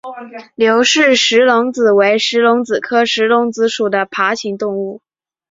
刘氏石龙子为石龙子科石龙子属的爬行动物。